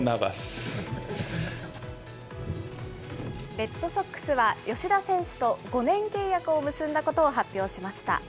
レッドソックスは、吉田選手と５年契約を結んだことを発表しました。